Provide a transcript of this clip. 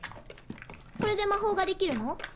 これで魔法ができるの？